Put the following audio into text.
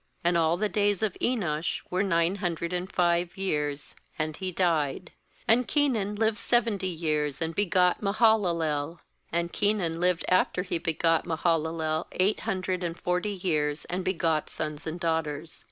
"And all the days of Enosh were nine hundred and five years; and he died. 12And Kenan lived seventy years, and begot MahalaleL wAnd Kenan lived after he begot Mahalalel eight hundred and forty years, and begot sons and daughters.